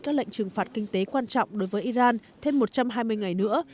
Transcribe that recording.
các lệnh trừng phạt kinh tế quan trọng đối với iran thêm một trăm hai mươi ngày nữa